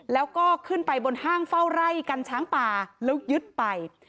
แล้วก็ขึ้นไปบนห้างเฝ้าไร่กันช้างป่าแล้วยึดไป